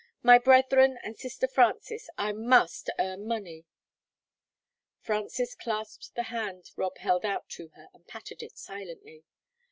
"My brethren and sister Frances, I must earn money." Frances clasped the hand Rob held out to her, and patted it silently.